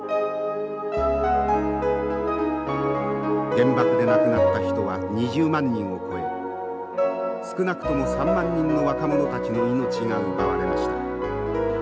原爆で亡くなった人は２０万人を超え少なくとも３万人の若者たちの命が奪われました。